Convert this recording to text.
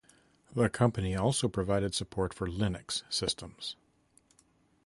The company also provided support for Linux systems.